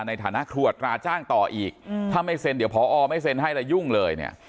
ในฐานะครัวอัตราจ้างต่ออีกถ้าไม่เซ็นเดี๋ยวพอไม่เซ็นให้แล้วยุ่งเลยเนี่ย